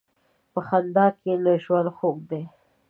په خندا کښېنه، ژوند خوږ دی.